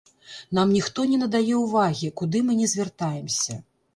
Нам ніхто не надае ўвагі, куды мы ні звяртаемся.